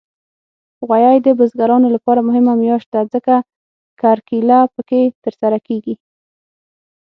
غویی د بزګرانو لپاره مهمه میاشت ده، ځکه کرکیله پکې ترسره کېږي.